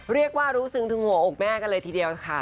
เรียกว่ารู้ซึ้งถึงหัวอกแม่กันเลยทีเดียวค่ะ